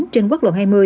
trên quốc lộ hai mươi